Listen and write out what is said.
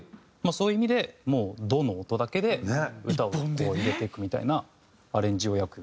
そういう意味でもうドの音だけで歌をこう入れていくみたいなアレンジをよくやりますね。